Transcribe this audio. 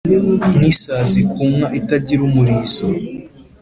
nkisazi kunka itagira umurizo"